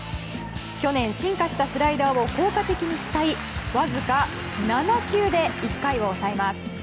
去年進化したスライダーを効果的に使いわずか７球で１回を抑えます。